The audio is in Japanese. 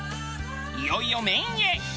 いよいよメインへ。